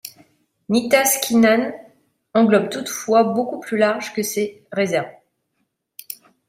Nitaskinan engloble toutefois beaucoup plus large que ces réserves.